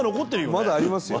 「まだありますよ」